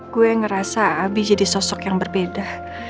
gue ngerasa abi jadi sosok yang berbeda